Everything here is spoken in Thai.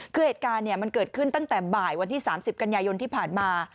คือเหตุการณ์มันเกิดขึ้นตั้งแต่บ่ายวันที่๓๐กันยายนที่ผ่านมา